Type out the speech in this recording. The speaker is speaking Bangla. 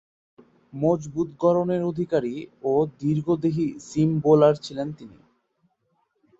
মজবুত গড়নের অধিকারী ও দীর্ঘদেহী সিম বোলার ছিলেন তিনি।